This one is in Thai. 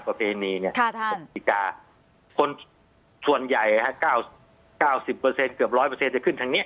ประเภณีเนี่ยค่ะท่านส่วนใหญ่ฮะเก้าเก้าสิบเปอร์เซ็นต์เกือบร้อยเปอร์เซ็นต์จะขึ้นทางเนี้ย